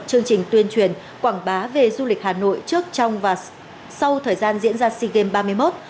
chương trình tuyên truyền quảng bá về du lịch hà nội trước trong và sau thời gian diễn ra sea games ba mươi một